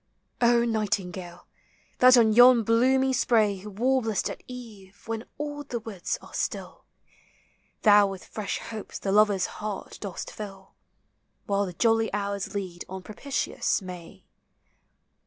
Nightingale, that on yon bloomy spray Warblest at eve, when all the woods are still, Thou with fresh hopes the lover's heart dost fill, V — 20 306 POEMS OF NATURE. While the jolly hours lead on propitious May.